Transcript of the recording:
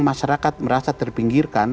masyarakat merasa terpinggirkan